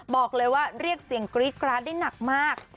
บอกเลยว่าเรียกเสียงกรี๊ดกราดได้หนักมาก